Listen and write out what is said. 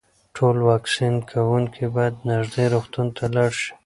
ټول واکسین کوونکي باید نږدې روغتون ته لاړ شي.